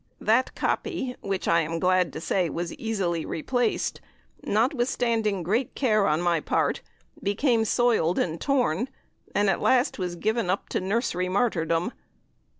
That copy (which, I am glad to say, was easily re placed), notwithstanding great care on my part, became soiled and torn, and at last was given up to Nursery martyrdom.